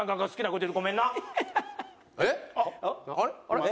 あれ？